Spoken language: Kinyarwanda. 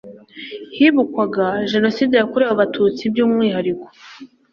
hibukwaga jenoside yakorewe abatutsi by umwihariko